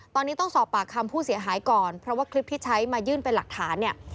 ตอนนี้ต้องสอบปากคำผู้เสียหายก่อนเพราะว่าคลิปที่ใช้มายื่นเป็นหลักฐานเนี่ย